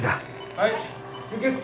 はい！